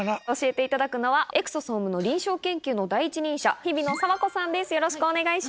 教えていただくのは、エクソソームの臨床研究の第一人者、日比野佐和子さんです、よろしくお願い